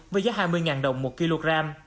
với giá hai mươi đồng một kg